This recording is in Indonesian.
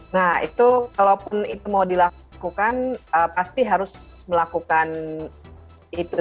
nah itu kalaupun itu mau dilakukan pasti harus melakukan itu